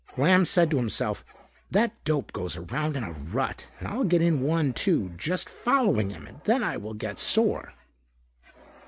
Lamb said to himself, "That dope goes around in a rut and I'll get in one too just following him and then I will get sore."